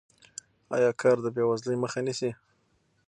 آیا کار د بې وزلۍ مخه نیسي؟